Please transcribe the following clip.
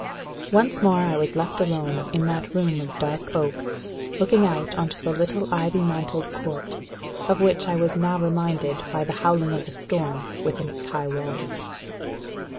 _ Once more I was left alone in that room of dark oak, looking out on the little ivy mantled court, of which I was now reminded by the howling of the storm within its high walls.